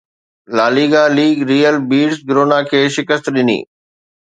La Liga league Real Betis Girona کي شڪست ڏني